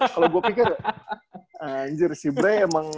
kalo gue pikir ya anjir si bre emang